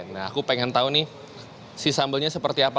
nah aku pengen tahu nih si sambelnya seperti apa